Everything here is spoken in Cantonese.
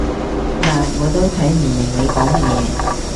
嗱，我都睇唔明你講乜嘢